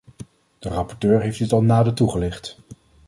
De rapporteur heeft dit al nader toegelicht.